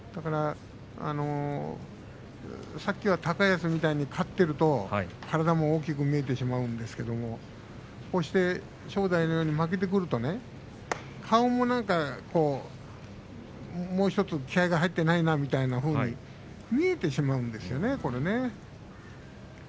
さっきは高安みたいに勝っていると体も大きく見えてしまうんですけれども正代のように負けてくると顔もなんかもうひとつ気合いが入っていないなというふうに見えてしまうんですよね。